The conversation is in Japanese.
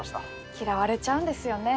嫌われちゃうんですよね。